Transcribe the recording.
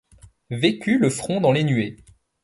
Vécut le front dans les nuées